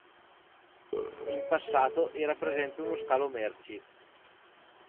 In passato era presente uno scalo merci.